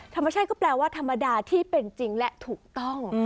ธรรมชาติก็แปลว่าธรรมดาที่เป็นจริงและถูกต้อง